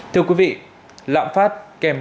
thưa quý vị lạm phát kèm